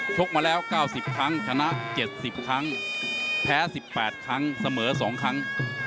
ชกมาแล้วเก้าสิบครั้งชนะเจ็ดสิบครั้งแพ้สิบแปดครั้งเสมอสองครั้ง